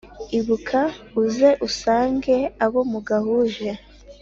Ibuka uze usange abo mugahuje